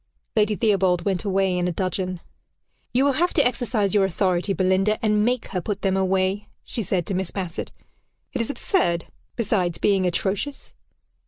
Lady Theobald went away in a dudgeon. "You will have to exercise your authority, Belinda, and make her put them away," she said to Miss Bassett. "It is absurd besides being atrocious."